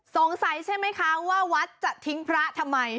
สงสัยใช่ไหมคะว่าวัดจะทิ้งพระทำไม